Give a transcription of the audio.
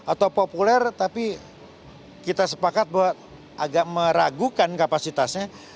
atau populer tapi kita sepakat bahwa agak meragukan kapasitasnya